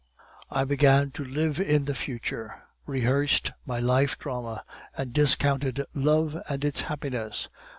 I began to live in the future, rehearsed my life drama, and discounted love and its happiness.